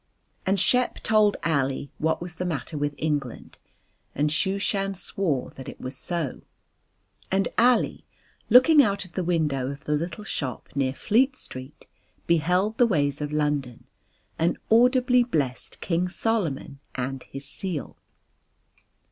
And Shep told Ali what was the matter with England and Shooshan swore that it was so, and Ali looking out of the window of the little shop near Fleet Street beheld the ways of London and audibly blessed King Solomon and his seal.